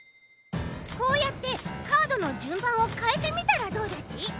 こうやってカードのじゅんばんをかえてみたらどうだち？